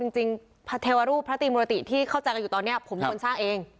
จริงพระเทวรูปพระตีมุรติที่เข้าใจกันอยู่ตอนนี้ผมเป็นคนสร้างเอง